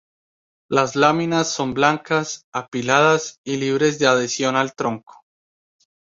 Las láminas son blancas, apiladas y libres de adhesión al tronco.